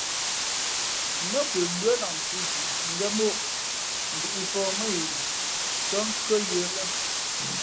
Nά nkwe mbʉ́ά lah mfhʉ̄ zʉʼ ngén móʼ ndʉ̄ʼfóh mά yi kά nkhʉ́ά yə̌ lά.